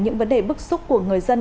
những vấn đề bức xúc của người dân